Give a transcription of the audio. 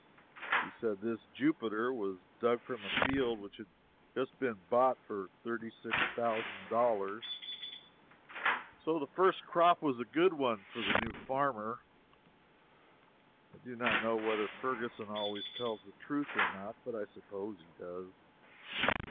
He said this Jupiter was dug from a field which had just been bought for thirty six thousand dollars, so the first crop was a good one for the new farmer. I do not know whether Ferguson always tells the truth or not, but I suppose he does.